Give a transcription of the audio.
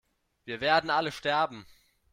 Wir werden alle sterben!